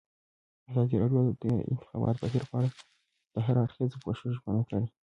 ازادي راډیو د د انتخاباتو بهیر په اړه د هر اړخیز پوښښ ژمنه کړې.